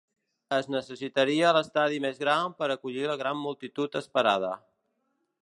Es necessitaria l'estadi més gran per acollir la gran multitud esperada.